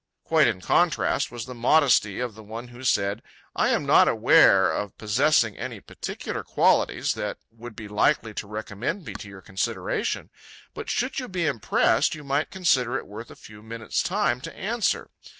Quite in contrast was the modesty of the one who said, "I am not aware of possessing any particular qualities that would be likely to recommend me to your consideration. But should you be impressed, you might consider it worth a few minutes' time to answer.